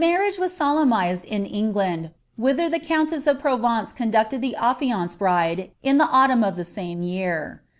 ^,,;.™»« solemnized in England, whither the countess of Provence ■ affianced bride in the autiunn of tlie same year.